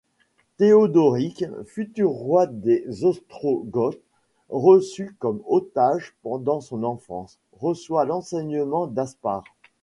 Théodoric, futur roi des Ostrogoths, reçu comme otage pendant son enfance, reçoit l'enseignement d'Aspar.